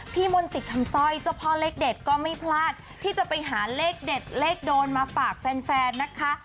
มนตรีคำสร้อยเจ้าพ่อเลขเด็ดก็ไม่พลาดที่จะไปหาเลขเด็ดเลขโดนมาฝากแฟนนะคะ